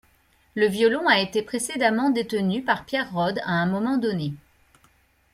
Le violon a été précédemment détenu par Pierre Rode à un moment donné.